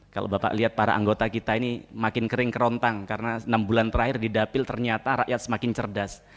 kalau bapak lihat para anggota kita ini makin kering kerontang karena enam bulan terakhir di dapil ternyata rakyat semakin cerdas